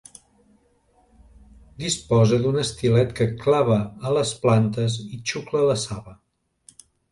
Disposa d'un estilet que clava a les plantes i xucla la saba.